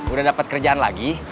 udah dapet kerjaan lagi